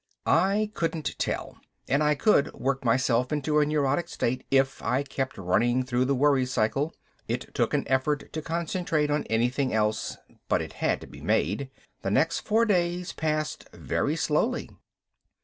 I couldn't tell. And I could work myself into a neurotic state if I kept running through the worry cycle. It took an effort to concentrate on anything else, but it had to be made. The next four days passed very slowly.